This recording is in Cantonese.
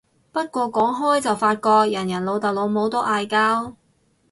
不過講開就發覺人人老豆老母都嗌交